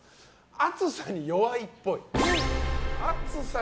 熱さに弱いっぽい。